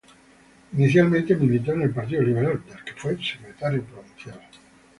Inicialmente militó en el Partido Liberal, del que fue secretario provincial.